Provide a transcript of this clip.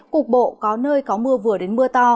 cục bộ có nơi có mưa vừa đến mưa to